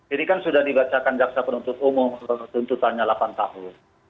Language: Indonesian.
ini kan sudah dibacakan jaksa penuntut umum tuntutannya delapan tahun